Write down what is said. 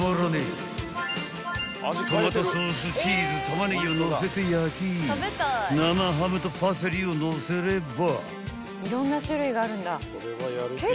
［トマトソースチーズタマネギをのせて焼き生ハムとパセリをのせれば］